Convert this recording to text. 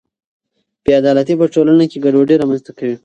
بې عدالتي په ټولنه کې ګډوډي رامنځته کوي.